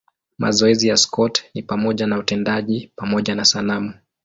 Mazoezi ya Scott ni pamoja na utendaji pamoja na sanamu.